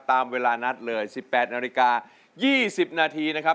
ตามเวลานัดเลย๑๘นาฬิกา๒๐นาทีนะครับ